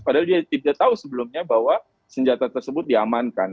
padahal dia tidak tahu sebelumnya bahwa senjata tersebut diamankan